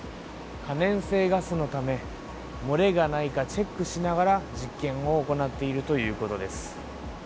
可燃性ガスのため、漏れがないかチェックしながら実験を行っているということです。